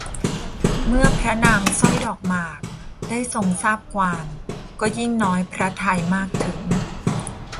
เมื่อพระนางสร้อยดอกหมากได้ทรงทราบความก็ยิ่งน้อยพระทัยมากถึง